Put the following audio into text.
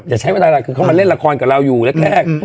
มันเล่นเรวกับเราอยู่แรก